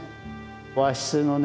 和室のね